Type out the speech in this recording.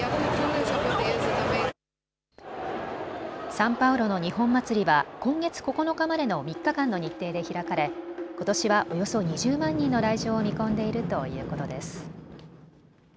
サンパウロの日本祭りは今月９日までの３日間の日程で開かれ、ことしはおよそ２０万人の来場を見込んでいるということです。